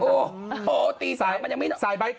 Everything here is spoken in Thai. โอ้โอ้ตีสามมันยังไม่นอน